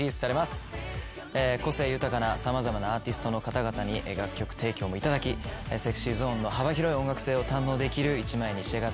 個性豊かな様々なアーティストの方々に楽曲提供もいただきＳｅｘｙＺｏｎｅの幅広い音楽性を堪能できる１枚に仕上がっております。